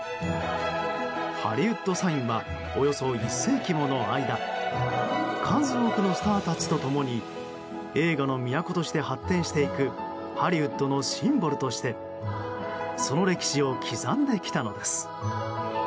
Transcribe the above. ハリウッド・サインはおよそ１世紀もの間数多くのスターたちと共に映画の都として発展していくハリウッドのシンボルとしてその歴史を刻んできたのです。